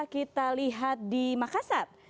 kita lihat di makassar